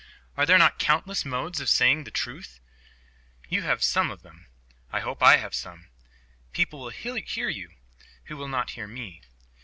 Are there not countless modes of saying the truth? You have some of them. I hope I have some. People will hear you who will not hear me.